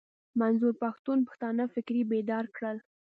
منظور پښتون پښتانه فکري بيدار کړل.